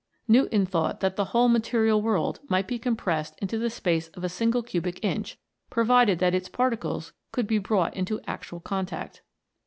Newton thought that the whole material world might be compressed into the space of a single cubic inch, provided that its particles could be brought into actual contact.